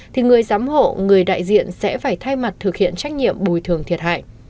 thì người giám hộ người đại diện sẽ phải thay mặt thực hiện trách nhiệm bồi thường thiệt hại